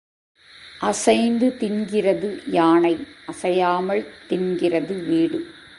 அசைந்து தின்கிறது யானை, அசையாமல் தின்கிறது வீடு.